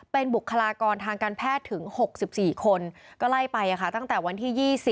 เป็นบุคลากรทางการแพทย์ถึง๖๔คนก็ไล่ไปตั้งแต่วันที่๒๐